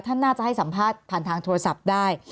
ท่านน่าจะให้สัมภาษณ์ผ่านทางโทรศัพท์ได้